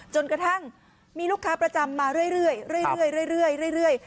จนกระทั่งมีลูกค้าประจำมาเรื่อยเรื่อยเรื่อย